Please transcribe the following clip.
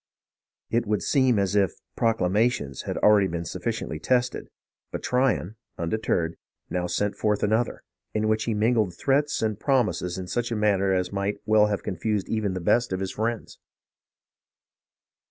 It would seem as if "proclamations" had already been sufficiently tested ; but Tryon, undeterred, now sent forth another, in which he mingled threats and promises in such a manner as might well have confused even the best of his friends.